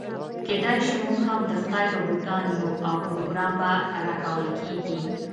کيداشي موږ هم د خدای روباټان يو او پروګرام به راکول کېږي.